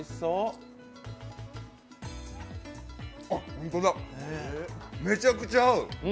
ホントだ、めちゃくちゃ合う。